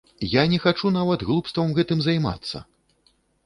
Я не хачу нават глупствам гэтым займацца!